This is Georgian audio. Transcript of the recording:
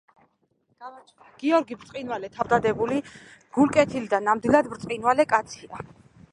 გიორგი ბრწყინვალე თავდადებული , გულკეთილი და ნამდვილად ბრწყინვალე კაცია